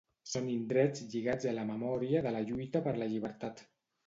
Són indrets lligats a la memòria de la lluita per la llibertat.